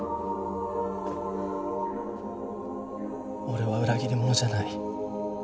俺は裏切り者じゃない。